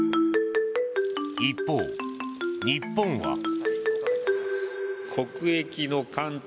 一方、日本は。